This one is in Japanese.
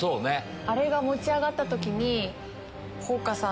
あれが持ち上がった時に。